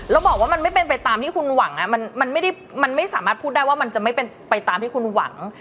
แล้วบอกว่ามันไม่เป็นไปตามที่คุณหวังมันไม่สามารถพูดได้ว่ามันจะไม่เป็นไปตามที่คุณหวัง